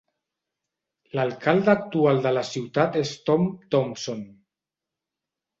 L'alcalde actual de la ciutat és Tom Thompson.